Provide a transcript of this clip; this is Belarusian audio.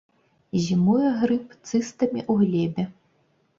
Зімуе грыб цыстамі ў глебе.